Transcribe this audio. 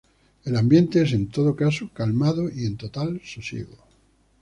El ambiente es, en todo caso, calmado y en total sosiego.